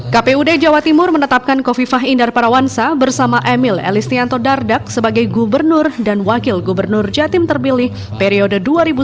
kpud jawa timur menetapkan kofifah indar parawangsa bersama emil elistianto dardak sebagai gubernur dan wakil gubernur jatim terpilih periode dua ribu sembilan belas dua ribu dua puluh empat